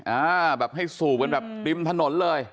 อ่าแบบให้สูบกันแบบริมถนนเลย